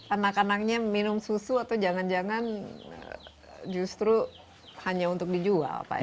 anak anaknya minum susu atau jangan jangan justru hanya untuk dijual pak ya